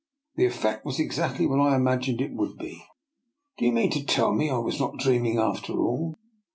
The eflEect was exactly what I imagined it would be. " Do you mean to tell me I was not dreaming after all?